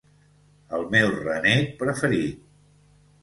El meu renec preferit